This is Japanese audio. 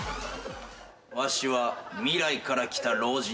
わしは未来から来た老人じゃ。